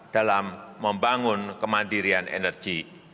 dalam membangun kemandirian energi